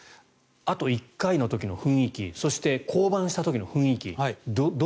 あと１回の時の雰囲気そして降板した時の雰囲気